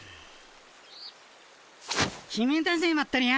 決めたぜまったり屋。